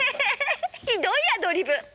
ひどいアドリブ。